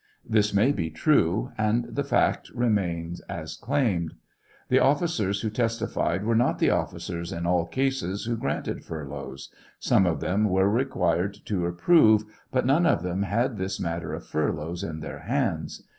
This may be true, and the fact remain as claimed. The oflScers who testified were not the officers in all cases who granted furloughs ; some of them were ■ required to approve, but none of them had this matter of furloughs in their hands.